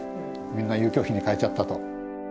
みんな遊興費に換えちゃったと。